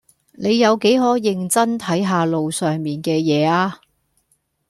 你有幾可認真睇下路上面嘅嘢吖